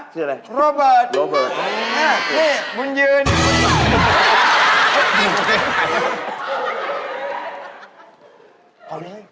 ชื่ออะไรโรเบิร์ตนะครับเนี่ยมุนเยินมุนหลาย